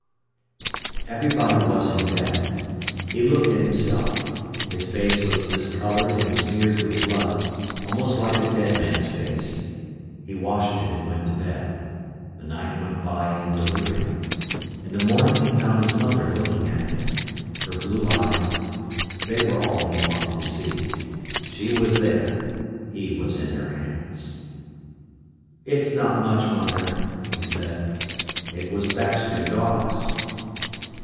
Everybody was in bed. He looked at himself. His face was discoloured and smeared with blood, almost like a dead man's face. He washed it, and went to bed. The night went by in delirium. In the morning he found his mother looking at him. Her blue eyes—they were all he wanted to see. She was there; he was in her hands. "It's not much, mother," he said. "It was Baxter Dawes."